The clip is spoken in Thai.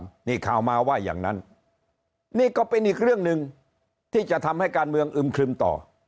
ก็อาจจะไม่รับตีความว่าอย่างนั้นนี่ก็เป็นอีกเรื่องหนึ่งที่จะทำให้การเมืองอึมครึมต่อ